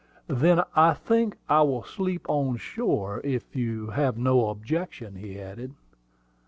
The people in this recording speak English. "Then I think I will sleep on shore, if you have no objection," he added.